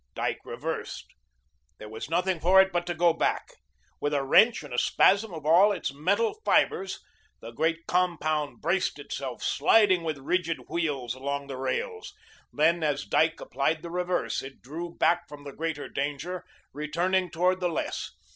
Dyke reversed. There was nothing for it but to go back. With a wrench and a spasm of all its metal fibres, the great compound braced itself, sliding with rigid wheels along the rails. Then, as Dyke applied the reverse, it drew back from the greater danger, returning towards the less.